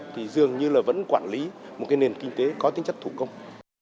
thì dường như là vẫn quản lý một cái nền kinh tế có tính chất thủ công